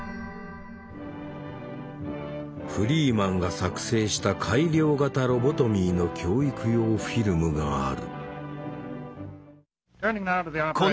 フリーマンが作成した改良型ロボトミーの教育用フィルムがある。